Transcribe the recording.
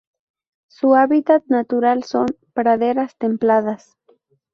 Su hábitat natural son: praderas templadas.